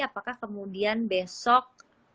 apakah kemudian besok